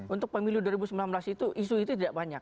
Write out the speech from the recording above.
untuk pemilu dua ribu sembilan belas itu isu itu tidak banyak